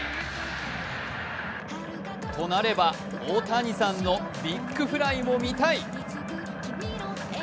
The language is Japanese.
となれば、オオタニサンのビッグフライも見たい。